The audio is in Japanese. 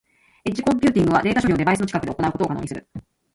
エッジコンピューティングはデータ処理をデバイスの近くで行うことを可能にする。